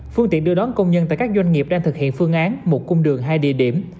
phương tiện đưa đón công nhân tại các doanh nghiệp đang thực hiện phương án một cung đường hai địa điểm